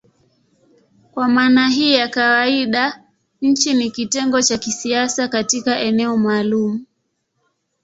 Kwa maana hii ya kawaida nchi ni kitengo cha kisiasa katika eneo maalumu.